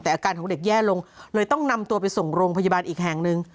แต่อาการของเด็กแย่ลงเลยต้องนำตัวไปส่งโรงพยาบาลอีกแห่งหนึ่ง